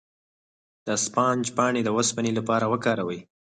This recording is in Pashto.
د اسفناج پاڼې د اوسپنې لپاره وکاروئ